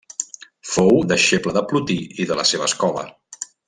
Fou deixeble de Plotí i de la seva escola.